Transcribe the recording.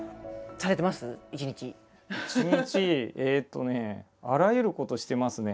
一日えっとねあらゆることしていますね。